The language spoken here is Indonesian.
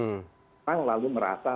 orang lalu merasa